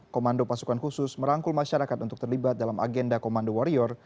komando pasukan khusus merangkul masyarakat untuk terlibat dalam agenda komando warrior